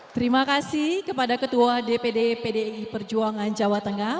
terima kasih kepada ketua dpd pdi perjuangan jawa tengah